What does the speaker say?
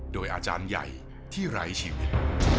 โดยอาจารย์ใหญ่ที่ไร้ชีวิต